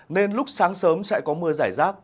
nên lúc sáng sớm sẽ có mưa giải rác